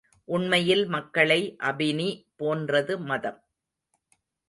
உண்மையில் மக்களை அபினி போன்றது மதம்.